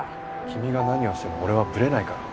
君が何をしても俺はブレないから。